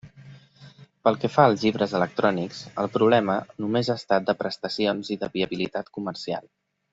Pel que fa als llibres electrònics el problema només ha estat de prestacions i de viabilitat comercial.